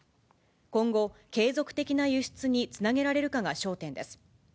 今後、継続的な輸出につなげられるかが焦点です。